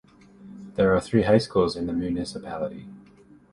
There are three high schools in the municipality.